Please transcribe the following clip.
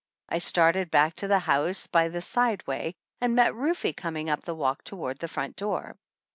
I started back to the house by the side way, and met Rufe coming up the walk toward the front door.